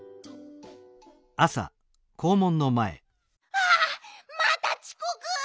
あまたちこく！